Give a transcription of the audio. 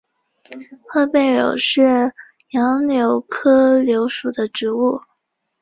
褐背柳是杨柳科柳属的植物。